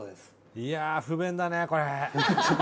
いやあ不便だねこれ。